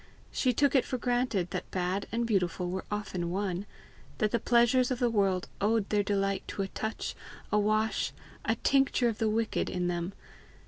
She took it for granted that bad and beautiful were often one; that the pleasures of the world owed their delight to a touch, a wash, a tincture of the wicked in them.